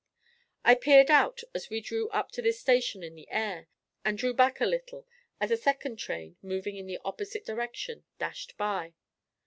I peered out as we drew up to this station in the air, and drew back a little as a second train, moving in the opposite direction, dashed by.